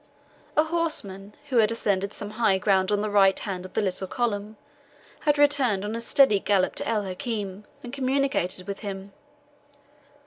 A horseman, who had ascended some high ground on the right hand of the little column, had returned on a speedy gallop to El Hakim, and communicated with him.